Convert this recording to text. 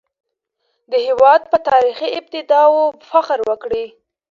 د هېواد په تاريخي ابداتو فخر وکړئ.